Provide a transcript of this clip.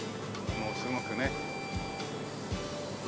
もうすごくね。